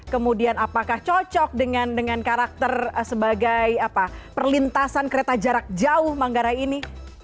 kemudian apakah cocok dengan karakter sebagai perlintasan kereta jarak jauh manggarai ini